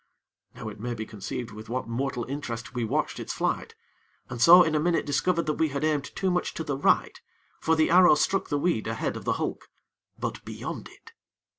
Now, it may be conceived with what mortal interest we watched its flight, and so in a minute discovered that we had aimed too much to the right, for the arrow struck the weed ahead of the hulk but beyond it.